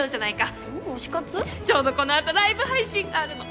ちょうどこの後ライブ配信があるの。